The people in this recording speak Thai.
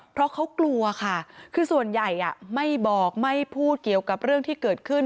เพราะเขากลัวค่ะคือส่วนใหญ่ไม่บอกไม่พูดเกี่ยวกับเรื่องที่เกิดขึ้น